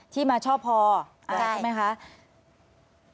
ที่มาช่อพ่อใช่ไหมคะใช่